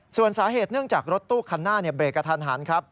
ส่วนสาเหตุเนื่องจากรถตู้คันหน้าเบรกกระทันหันครับ